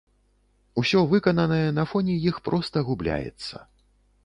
Усё выкананае на фоне іх проста губляецца.